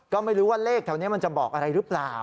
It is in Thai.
ก็ไม่รู้ว่าเลขแถวนี้มันจะบอกอะไรหรือเปล่า